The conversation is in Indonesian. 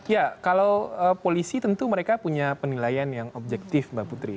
ya kalau polisi tentu mereka punya penilaian yang objektif mbak putri